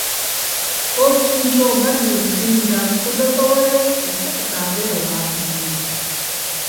ო ფსტუჲნჩო́ ბადრინ შუიჼ და́დ ცო დაკოვარე́, ე სტაკ და́დეღ ლა́რლ'იჼ.